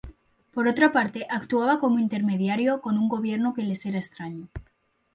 Por otra parte, actuaba como intermediario con un gobierno que les era extraño.